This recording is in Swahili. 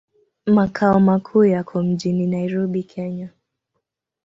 Makao makuu yako mjini Nairobi, Kenya.